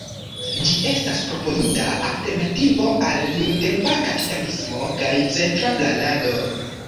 Ĝi estas proponita alternativo al nuntempa kapitalismo kaj centra planado.